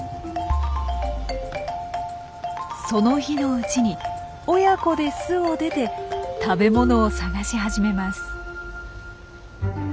その日のうちに親子で巣を出て食べ物を探し始めます。